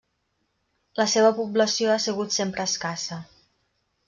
La seva població ha sigut sempre escassa.